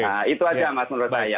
nah itu aja mas menurut saya